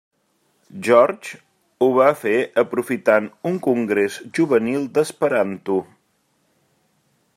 George ho va fer aprofitant un Congrés Juvenil d'Esperanto.